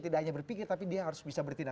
tidak hanya berpikir tapi dia harus bisa bertindak